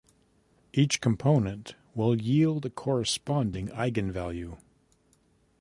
Each component will yield a corresponding eigenvalue.